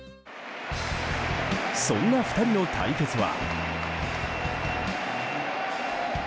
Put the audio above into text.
そんな２人の対決は。